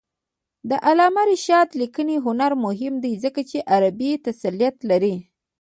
د علامه رشاد لیکنی هنر مهم دی ځکه چې عربي تسلط لري.